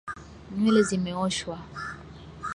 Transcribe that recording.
Nywele zimeoshwa